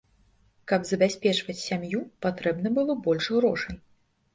Каб забяспечваць сям'ю, патрэбна было больш грошай.